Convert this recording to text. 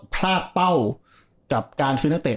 พลาดเป้ากับการซื้อนักเตะ